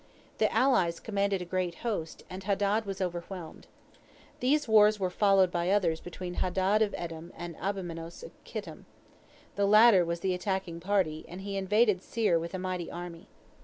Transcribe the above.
The allies commanded a great host, and Hadad was overwhelmed. These wars were followed by others between Hadad of Edom. and Abimenos of Kittim. The latter was the attacking party, and he invaded Seir with a mighty army.